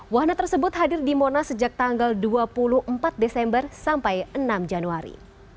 wahana tersebut hadir di monas sejak tanggal dua puluh empat desember sampai enam januari